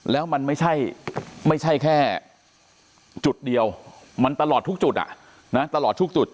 แล้วมันไม่ใช่แค่จุดเดียวมันตลอดทุกจุดตลอดทุกจุด